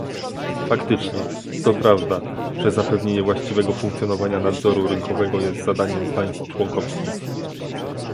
Faktycznie, to prawda, że zapewnienie właściwego funkcjonowania nadzoru rynkowego jest zadaniem państw członkowskich